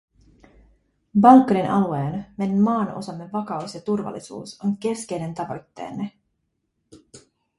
Balkanin alueen, meidän maanosamme vakaus ja turvallisuus, on keskeinen tavoitteenne.